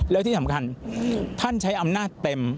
แล้วที่สำคัญท่านใช้อำนาจเต็ม